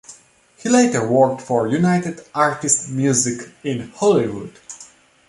He later worked for United Artists Music in Hollywood.